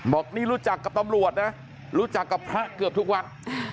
บอกนี่รู้จักกับตำรวจนะรู้จักกับพระเกือบทุกวัด